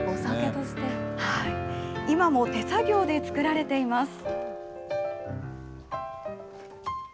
今も手作業で造られています。